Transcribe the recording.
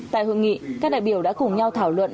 tại hội nghị các đại biểu đã cùng nhau thảo luận